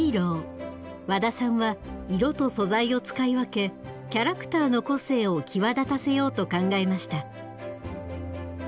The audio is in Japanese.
ワダさんは色と素材を使い分けキャラクターの個性を際立たせようと考えました。